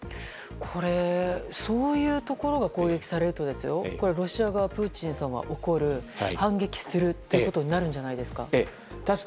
そういうところが攻撃されるとロシア側、プーチンさんは怒る反撃するということになるんじゃないですか。